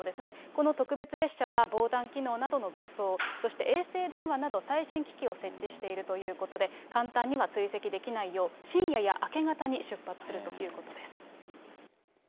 この特別列車は防弾機能などの武装、そして衛星電話など最新機器を設置しているということで、簡単には追跡できないよう、深夜や明け方に出発するということです。